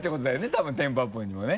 多分テンポアップにもね。